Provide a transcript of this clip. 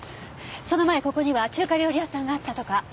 その前ここには中華料理屋さんがあったとか。